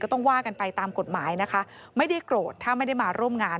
ต้องว่ากันไปตามกฎหมายนะคะไม่ได้โกรธถ้าไม่ได้มาร่วมงาน